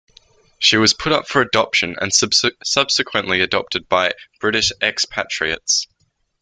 She was put up for adoption and subsequently adopted by British expatriates.